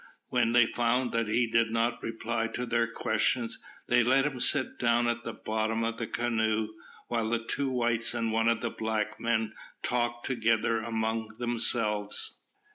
When they found that he did not reply to their questions, they let him sit down at the bottom of the canoe, while the two whites and one of the black men talked together among themselves.